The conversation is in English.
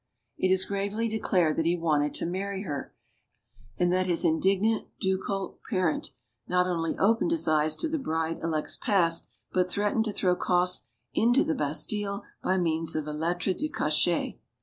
It is gravely declared that he wanted to marry her, and that his indignant ducal parent not only opened his eyes to the bride elect's past, but threatened to throw Cosse into the Bastile by means of a lettre de cachet.